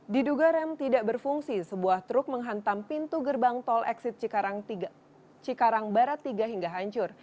diduga rem tidak berfungsi sebuah truk menghantam pintu gerbang tol exit cikarang barat tiga hingga hancur